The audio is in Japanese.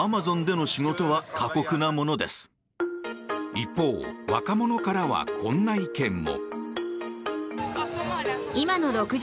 一方、若者からはこんな意見も。